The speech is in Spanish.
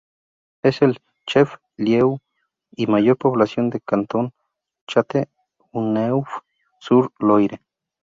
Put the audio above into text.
Es el "chef-lieu" y mayor población del cantón de Châteauneuf-sur-Loire.